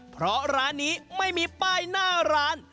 เพราะร้านนี้ไม่มีป้ายหน้าร้าน